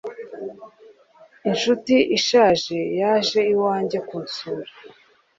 Inshuti ishaje yaje iwanjye kunsura.